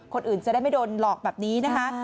คนอื่นจะได้ไม่โดนหลอกแบบนี้นะคะ